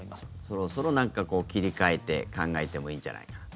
そろそろ切り替えて考えてもいいんじゃないかと。